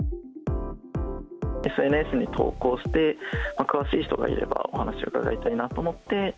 ＳＮＳに投稿して、詳しい人がいれば、お話を伺いたいなと思って。